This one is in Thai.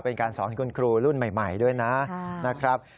เป็นการสอนคุณครูรุ่นใหม่ด้วยนะครับ